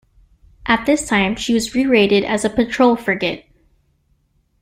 At this time, she was re-rated as a patrol frigate.